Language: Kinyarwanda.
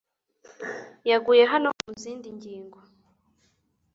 yaguye hano nko mu zindi ngingo